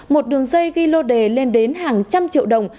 một đường dây ghi lô đề lên đến hàng trăm triệu đồng